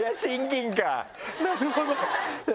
なるほど。